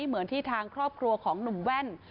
เหมือนที่ทางครอบครัวของหนุ่มแว่น